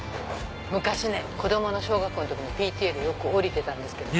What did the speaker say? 昔ね子供の小学校の時ＰＴＡでよく降りてたんですけど。